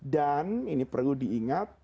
dan ini perlu diingat